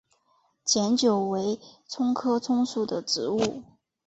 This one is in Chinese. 碱韭为葱科葱属的植物。